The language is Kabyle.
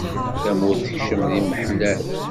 Tamurt tekcem di miḥlal.